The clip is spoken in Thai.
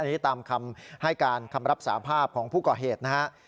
อันนี้ตามคำให้การคำรับสาภาพของผู้ก่อเหตุนะฮะ